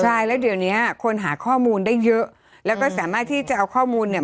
ใช่แล้วเดี๋ยวเนี้ยคนหาข้อมูลได้เยอะแล้วก็สามารถที่จะเอาข้อมูลเนี่ย